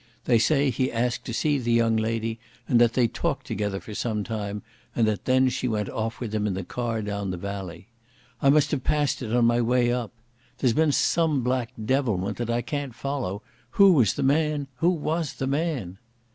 They say he asked to see the young lady, and that they talked together for some time, and that then she went off with him in the car down the valley.... I must have passed it on my way up.... There's been some black devilment that I can't follow. Who was the man? Who was the man?"